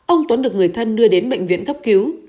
ông tuấn được người thân đưa đến bệnh viện cấp cứu